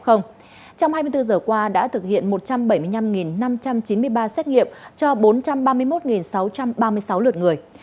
trong hai mươi bốn giờ qua đã thực hiện một trăm bảy mươi năm năm trăm chín mươi ba xét nghiệm cho bốn trăm ba mươi một sáu trăm ba mươi sáu lượt người